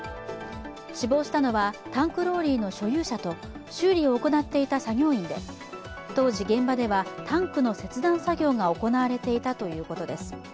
死亡したのはタンクローリーの所有者と修理を行っていた作業員で当時、現場ではタンクの切断作業が行われていたということです。